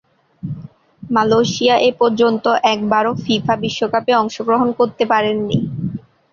Malaysia এপর্যন্ত একবারও FIFA বিশ্বকাপে অংশগ্রহণ করতে পারেনি।